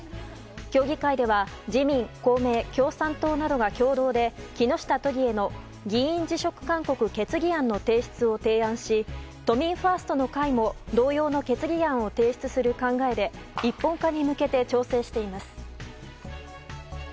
協議会では自民、公明、共産党などが共同で木下都議への議員辞職勧告決議案の提出を提案し都民ファーストの会も同様の決議案を提出する考えで一本化に向けて調整しています。